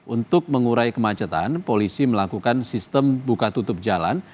untuk mengurai kemacetan polisi melakukan sistem buka tutup jalan